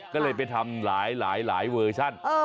ก็เลยไปทำหลายเวอร์ชัน